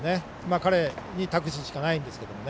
彼に託すしかないんですけどね。